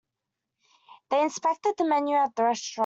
They inspected the menu at the restaurant.